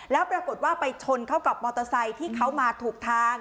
แล้วปรากฏว่าไปชนเข้ากับมอเตอร์ไซค์ที่เขามาถูกทาง